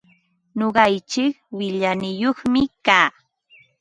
Nuqaichik qillaniyuqmi kaa.